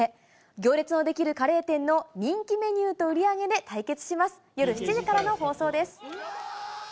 行列の出来るカレー店の人気メニューと売り上げで対決します。